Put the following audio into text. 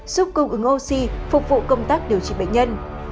giúp cung ứng oxy phục vụ công tác điều trị bệnh nhân